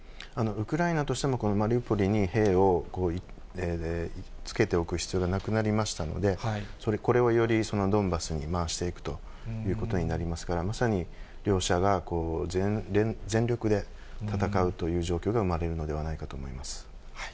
ウクライナとしても、このマリウポリに兵をつけておく必要がなくなりましたので、これをよりドンバスに回していくということになりますから、まさに両者が全力で戦うという状況が生まれるのではないかと思います。